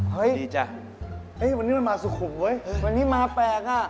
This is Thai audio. เฮ้ยดีจ้ะเฮ้ยวันนี้มันมาสุขุมเว้ยวันนี้มาแปลกอ่ะ